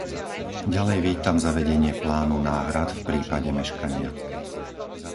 Ďalej vítam zavedenie plánu náhrad v prípade meškania.